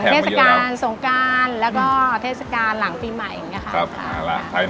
หลังเทศกาลโทรงการแล้วก็เทศกาลหลังปีใหม่